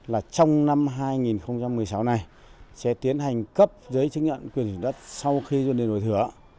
là trong năm hai nghìn một mươi sáu này sẽ tiến hành cấp giấy chứng nhận quyền thủy đất sau khi dồn điền đổi thừa